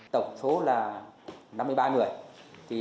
tổng số là năm mươi ba người